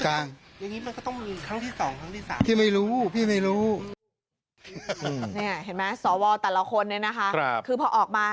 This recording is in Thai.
อย่างนี้มันก็ต้องมีครั้งที่สองครั้งที่สาม